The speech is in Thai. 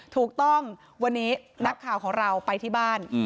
ถูกต้องวันนี้นักข่าวของเราไปที่บ้าน